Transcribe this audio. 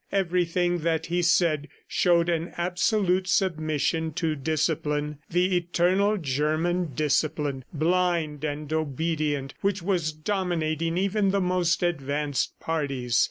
Everything that he said showed an absolute submission to discipline the eternal German discipline, blind and obedient, which was dominating even the most advanced parties.